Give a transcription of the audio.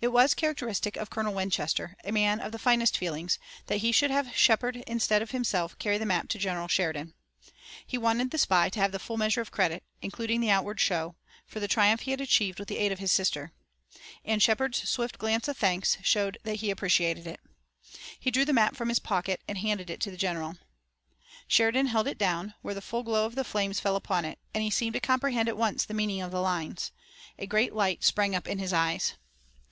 It was characteristic of Colonel Winchester, a man of the finest feelings, that he should have Shepard instead of himself carry the map to General Sheridan. He wanted the spy to have the full measure of credit, including the outward show, for the triumph he had achieved with the aid of his sister. And Shepard's swift glance of thanks showed that he appreciated it. He drew the map from his pocket and handed it to the general. Sheridan held it down, where the full glow of the flames fell upon it, and he seemed to comprehend at once the meaning of the lines. A great light sprang up in his eyes.